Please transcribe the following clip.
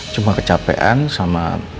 cuma kecapean sama